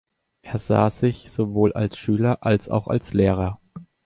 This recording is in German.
Er sah sich sowohl als Schüler als auch als Lehrer.